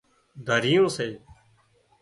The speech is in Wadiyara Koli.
دريون سي